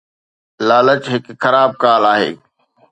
لالچ هڪ خراب ڪال آهي